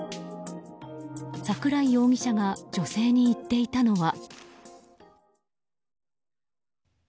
桜井容疑者が女性に言っていたのは。